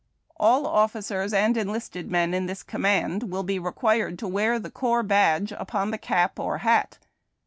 All officers and enlisted men in this command will be required to wear the Corps Badge upon the cap or hat.